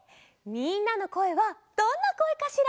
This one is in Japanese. みんなのこえはどんなこえかしら？